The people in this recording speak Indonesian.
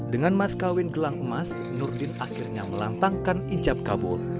dengan mas kawin gelang emas nurdin akhirnya melantangkan ijab kabul